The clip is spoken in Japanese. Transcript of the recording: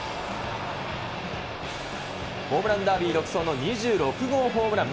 ホームランダービー独走の２６号ホームラン。